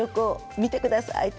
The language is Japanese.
見てくださいって。